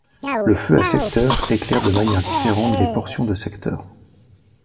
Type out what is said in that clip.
Le feu à secteurs éclaire de manière différente des portions de secteur.